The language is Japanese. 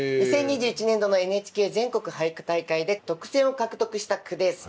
２０２１年度のＮＨＫ全国俳句大会で特選を獲得した句です。